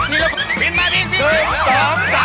ทีละคนเลยครับ